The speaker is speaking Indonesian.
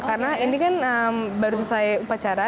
karena ini kan baru selesai upacara